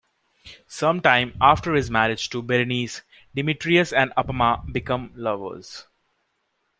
Sometime after his marriage to Berenice, Demetrius and Apama became lovers.